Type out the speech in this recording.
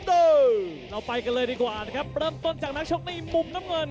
เออเราไปกันเลยดีกว่านะครับเริ่มต้นจากนักชกในมุมน้ำเงิน